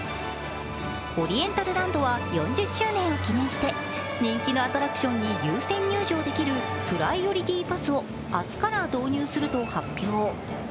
オリエンタルランドは４０周年を記念して、人気のアトラクションに優先入場できるプライオリティパスを明日から導入すると発表。